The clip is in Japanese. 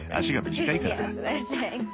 足が短いから。